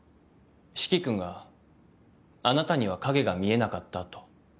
四鬼君があなたには影が見えなかったと。